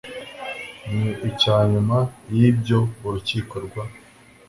n icya Nyuma y ibyo urukiko rw